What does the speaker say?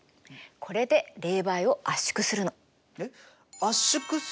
これで冷媒を圧縮するの。